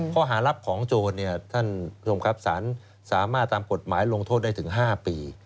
ข้อหารับของโจรเนี่ยท่านผู้ชมครับสารสามารถตามกฎหมายลงโทษได้ถึง๕ปี